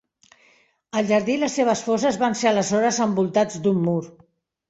El jardí i les seves fosses van ser aleshores envoltats d'un mur.